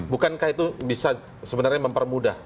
bukankah itu bisa sebenarnya mempermudah